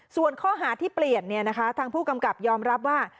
ส่วนข้อหาที่เปลี่ยนทางผู้กำกับยอมรับว่า